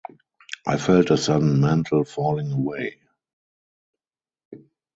I felt a sudden mental falling away.